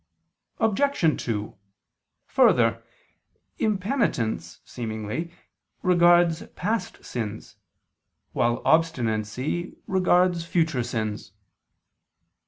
Obj. 2: Further, impenitence, seemingly, regards past sins, while obstinacy regards future sins.